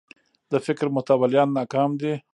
د فکر متولیان ناکام دي